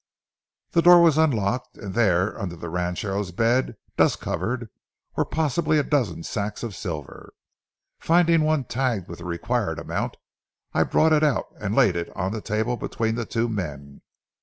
The door was unlocked, and there, under the ranchero's bed, dust covered, were possibly a dozen sacks of silver. Finding one tagged with the required amount, I brought it out and laid it on the table between the two men.